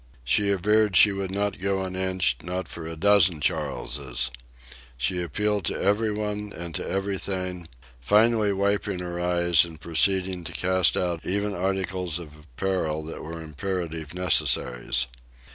She averred she would not go an inch, not for a dozen Charleses. She appealed to everybody and to everything, finally wiping her eyes and proceeding to cast out even articles of apparel that were imperative necessaries.